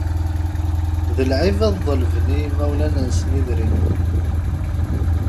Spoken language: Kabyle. D lɛib ad ḍelben i yimawlan-nsen idrimen.